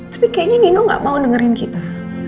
tapi kayaknya nino gak mau dengerin kita